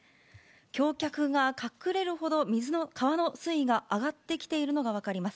橋脚が隠れるほど、川の水位が上がってきているのが分かります。